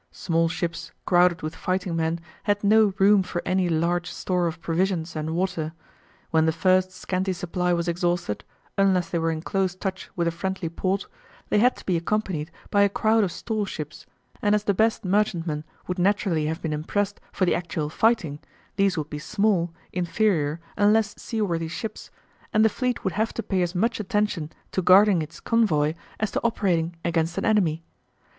Small ships crowded with fighting men had no room for any large store of provisions and water. When the first scanty supply was exhausted, unless they were in close touch with a friendly port, they had to be accompanied by a crowd of storeships, and as the best merchantmen would naturally have been impressed for the actual fighting, these would be small, inferior, and less seaworthy ships, and the fleet would have to pay as much attention to guarding its convoy as to operating against an enemy.